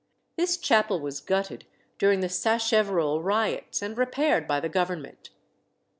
This chapel was gutted during the Sacheverell riots, and repaired by the Government.